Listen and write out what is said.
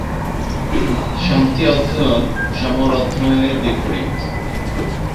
শান্তি অধ্যয়ন সমর অধ্যয়নের বিপরীত।